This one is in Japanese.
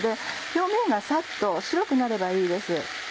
表面がサッと白くなればいいです。